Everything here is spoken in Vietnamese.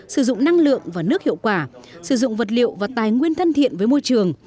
sử dụng năng lượng và nước hiệu quả sử dụng vật liệu và tài nguyên thân thiện với môi trường